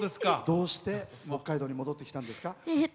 どうして北海道に戻ってきたんですか？